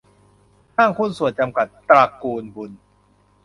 ห้างหุ้นส่วนจำกัด ตระกูลบุญ